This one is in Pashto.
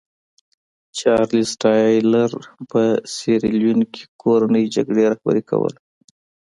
چارلېز ټایلر په سیریلیون کې کورنۍ جګړه رهبري کوله.